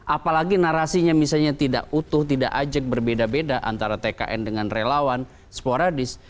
apalagi narasinya misalnya tidak utuh tidak ajak berbeda beda antara tkn dengan relawan sporadis